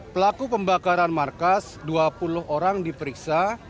pelaku pembakaran markas dua puluh orang diperiksa